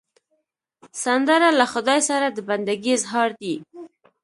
سندره له خدای سره د بندګي اظهار دی